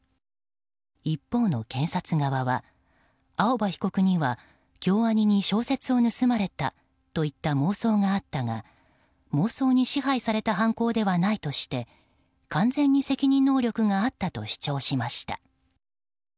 一方の検察側は青葉被告には京アニに小説を盗まれたといった妄想があったが妄想に支配された犯行ではないとして完全に責任能力があったと主張しました。